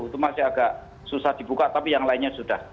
itu masih agak susah dibuka tapi yang lainnya sudah